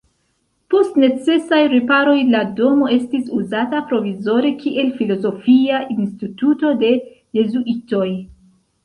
Post necesaj riparoj la domo estis uzata provizore kiel filozofia instituto de jezuitoj.